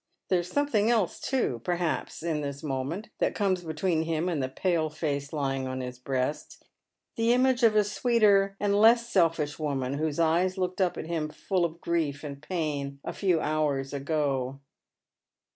There is something else too, perhaps, in this moment that comes between him and the pale face lying on his breast. The image of a sweeter and less selfish woman, whose eyes looked up at him full of grief and pain a few hours ago.